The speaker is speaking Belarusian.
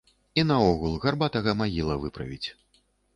І наогул, гарбатага магіла выправіць.